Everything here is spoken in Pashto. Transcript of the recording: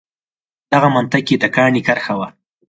دغه منطق یې د کاڼي کرښه وه.